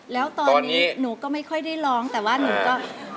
แล้วตอนนี้หนูก็ไม่ค่อยได้ร้องแต่ว่าหนูก็